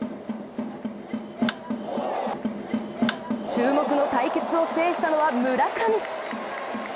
注目の対決を制したのは村上。